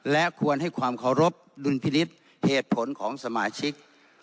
และควรให้ความเคารพดุลพินิษฐ์เหตุผลของสมาชิก